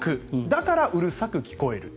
だから、うるさく聞こえる。